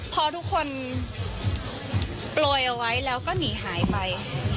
พอทุกคนโปรยเอาไว้แล้วก็หนีหายไป